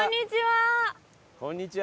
こんにちは！